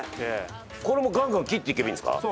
これもガンガン切っていけばいいんですか？